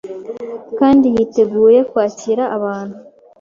kandi yiteguye kwakira abantu.